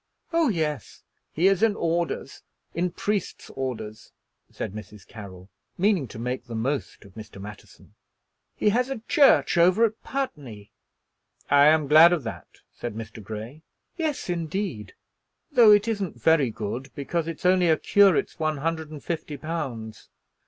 "Oh yes; he is in orders, in priest's orders," said Mrs. Carroll, meaning to make the most of Mr. Matterson. "He has a church over at Putney." "I am glad of that," said Mr. Grey. "Yes, indeed; though it isn't very good, because it's only a curate's one hundred and fifty pounds.